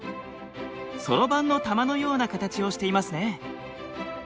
そろばんの玉のような形をしていますね。